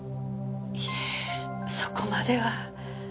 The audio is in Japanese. いいえそこまでは。